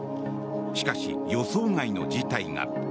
しかし、予想外の事態が。